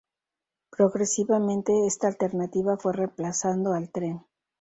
Progresivamente esta alternativa fue reemplazando al tren.